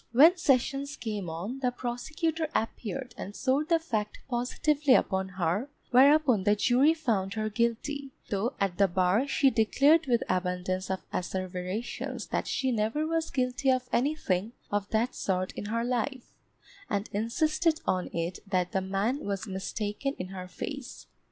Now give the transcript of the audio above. When sessions came on, the prosecutor appeared and swore the fact positively upon her, whereupon the jury found her guilty, though at the bar she declared with abundance of asseverations that she never was guilty of anything of that sort in her life, and insisted on it that the man was mistaken in her face.